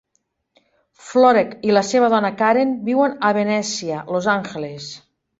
Florek i la seva dona, Karen, viuen a Venècia, Los Angeles.